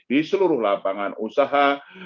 di seluruh lapangan usaha